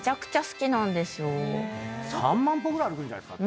３万歩ぐらい歩くんじゃない？